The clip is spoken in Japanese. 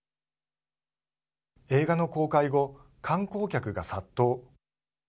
映画の公開後、観光客が殺到。